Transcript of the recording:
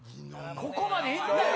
ここまでいったよ！